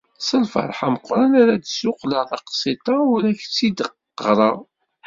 S lferḥ ameqqran ara d-ssuqleɣ taqsiṭ-a u ad k-tt-id-ɣreɣ.